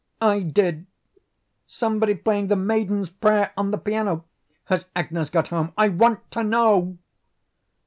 "I did somebody playing 'The Maiden's Prayer' on the piano. Has Agnes got home? I WANT TO KNOW."